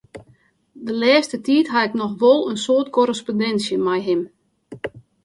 De lêste tiid haw ik noch wol in soad korrespondinsje mei him.